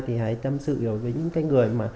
thì hãy tâm sự với những cái người